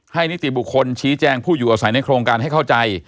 นิติบุคคลชี้แจงผู้อยู่อาศัยในโครงการให้เข้าใจ